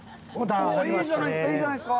いいじゃないですか。